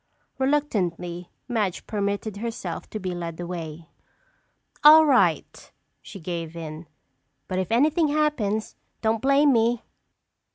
Reluctantly, Madge permitted herself to be led away. "All right," she gave in, "but if anything happens, don't blame me!"